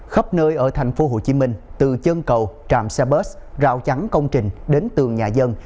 khắp nơi ở thành phố hồ chí minh từ chân cầu trạm xe bus rạo trắng công trình đến tường nhà dân